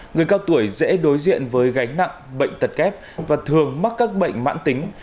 người cao tuổi dễ đối diện với gánh nặng bệnh tật kép và thường mắc các bệnh mãn tính